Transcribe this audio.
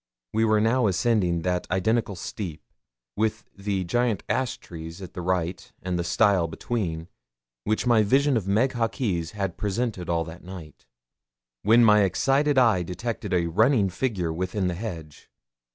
We were now ascending that identical steep, with the giant ash trees at the right and the stile between, which my vision of Meg Hawkes had presented all that night, when my excited eye detected a running figure within the hedge.